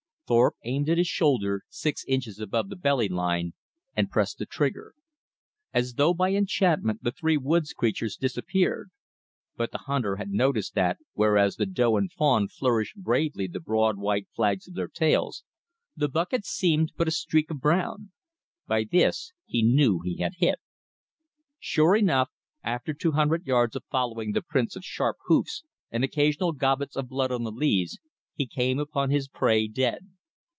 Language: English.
Thorpe aimed at his shoulder, six inches above the belly line, and pressed the trigger. As though by enchantment the three woods creatures disappeared. But the hunter had noticed that, whereas the doe and fawn flourished bravely the broad white flags of their tails, the buck had seemed but a streak of brown. By this he knew he had hit. Sure enough, after two hundred yards of following the prints of sharp hoofs and occasional gobbets of blood on the leaves, he came upon his prey dead.